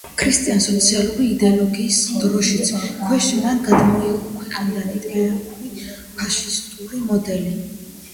ქრისტიან-სოციალური იდეოლოგიის დროშის ქვეშ მან გადმოიღო ქვეყნის იტალიურ ფაშისტური მოდელი.